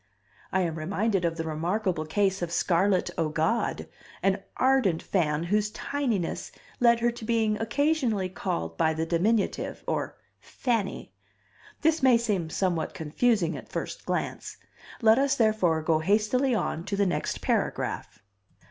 I am reminded of the remarkable case of Scarlett O'God, an ardent fan whose tininess led to her being occasionally called by the diminutive, or fanny. This may seem somewhat confusing at first glance. Let us, therefore, go hastily on to the next paragraph.